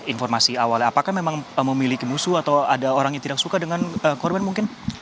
informasi awalnya apakah memang memiliki musuh atau ada orang yang tidak suka dengan korban mungkin